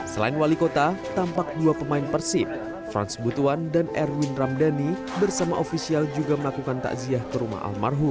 selain wali kota tampak dua pemain persib frans butuan dan erwin ramdhani bersama ofisial juga melakukan takziah ke rumah almarhum